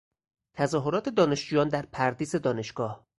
تظاهرات دانشجویان در پردیس دانشگاه